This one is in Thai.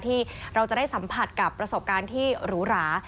ที่เราจะได้สัมผัสกับประสบการณ์ที่หรูหรา